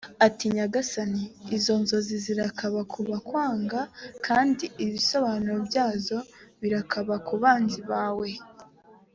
ati nyagasani izo nzozi zirakaba ku bakwanga kandi ibisobanuro byazo birakaba ku banzi bawe